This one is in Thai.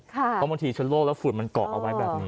เพราะบางทีชะโลกแล้วฝุ่นมันเกาะเอาไว้แบบนี้